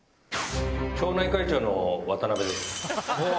町内会長の渡辺です。